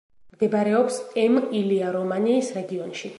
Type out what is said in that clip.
მდებარეობს ემილია-რომანიის რეგიონში.